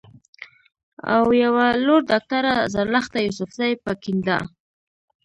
او يوه لورډاکټره زرلښته يوسفزۍ پۀ کنېډا